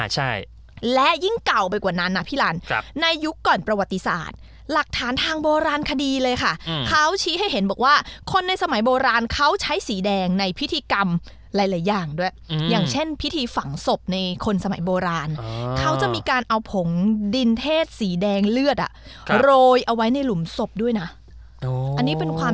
ใช่และยิ่งเก่าไปกว่านั้นนะพี่รานครับในยุคก่อนประวัติศาสตร์หลักฐานทางโบราณคดีเลยค่ะอืมเขาชี้ให้เห็นบอกว่าคนในสมัยโบราณเขาใช้สีแดงในพิธีกรรมหลายหลายอย่างด้วยอืมอย่างเช่นพิธีฝังศพในคนสมัยโบราณอ๋อเขาจะมีการเอาผงดินเทศสีแดงเลือดอ่ะครับโรยเอาไว้ใน